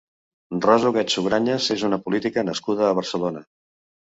Rosa Huguet Sugranyes és una política nascuda a Barcelona.